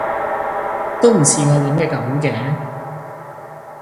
都唔似我諗嘅噉嘅！